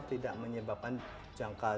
tidak menyebabkan jangkauan